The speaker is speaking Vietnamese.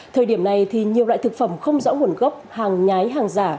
thời điểm này thì nhiều loại thực phẩm không rõ nguồn gốc hàng nhái hàng giả